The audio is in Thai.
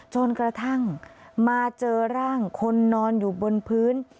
จนกระทั่งมาเจอร่างคนนอนอยู่บนพื้น